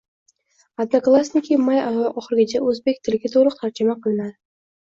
“Odnoklassniki” may oyi oxirigacha o‘zbek tiliga to‘liq tarjima qilinadi